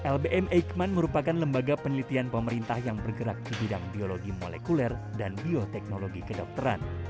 lbm eijkman merupakan lembaga penelitian pemerintah yang bergerak di bidang biologi molekuler dan bioteknologi kedokteran